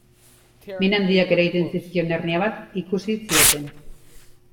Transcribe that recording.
Min handiak eragiten zizkion hernia bat ikusi zioten.